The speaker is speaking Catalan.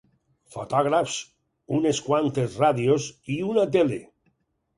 Fotògrafs, unes quantes ràdios i una tele.